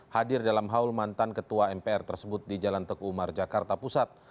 hadir dalam haul mantan ketua mpr tersebut di jalan teguh umar jakarta pusat